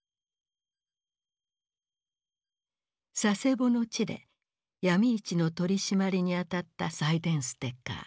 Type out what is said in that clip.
佐世保の地で闇市の取締りに当たったサイデンステッカー。